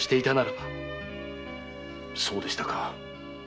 そうでしたか。